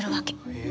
へえ。